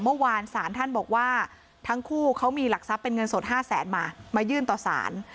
เมื่อวานศาลท่านบอกว่าทั้งคู่เขามีหลักทรัพย์เป็นเงินสด๕แสนมามายื่นต่อสาร